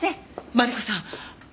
マリコさん。